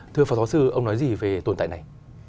thưa phó giáo sư ông nói gì về tồn tại này